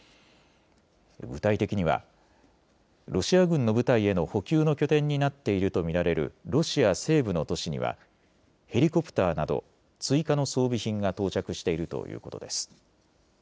具体的にはロシア軍の部隊への補給の拠点になっていると見られるロシア西部の都市にはヘリコプターなど追加の装備品が到着しているということです。